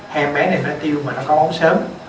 hay em bé này nó tiêu mà nó có ống sớm